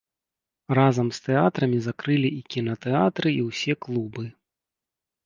Разам з тэатрамі закрылі і кінатэатры і ўсе клубы.